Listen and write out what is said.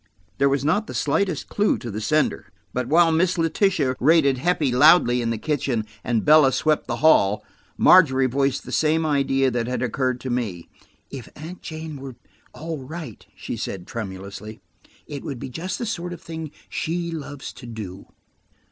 There was not the slightest clue to the sender, but while Miss Letitia rated Heppie loudly in the kitchen, and Bella swept the hall, Margery voiced the same idea that had occurred to me. "If–if Aunt Jane were–all right," she said tremulously, "it would be just the sort of thing she loves to do."